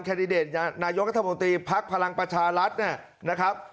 แคดดิเดตนายกัธมตรีพักภลังประชารัฐนะครับ